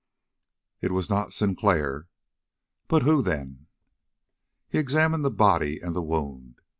It was not Sinclair. But who, then? He examined the body and the wound.